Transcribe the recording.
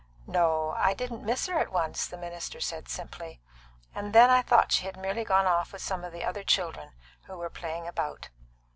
"No; I didn't miss her at once," said the minister simply; "and then I thought she had merely gone off with some of the other children who were playing about."